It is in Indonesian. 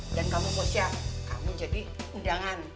dan kamu posya kamu jadi udangan